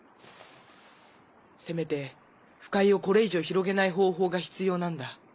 せめて腐海をこれ以上広げない方法が必要なんだ。